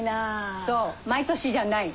そう毎年じゃない。